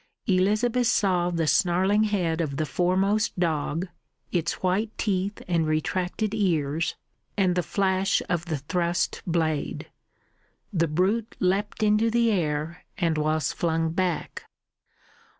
Elizabeth saw the snarling head of the foremost dog, its white teeth and retracted ears, and the flash of the thrust blade. The brute leapt into the air and was flung back.